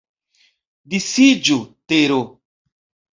Disiĝu, tero!